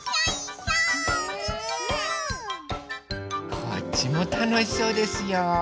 こっちもたのしそうですよ。